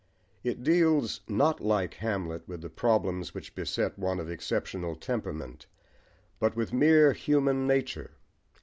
It deals, not like Hamlet with the problems which beset one of exceptional temperament, but with mere human nature.